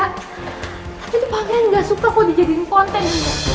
tapi tuh pangeran gak suka kok dijadiin konten